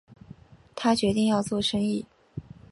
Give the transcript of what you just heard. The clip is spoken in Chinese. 他决定要做生意